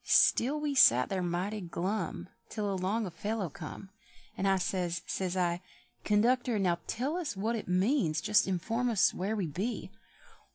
Still we sat there mighty glum Till along a fellow come. And I says, says I, "Conductor, now tell us what it means, Just inform us where we be?"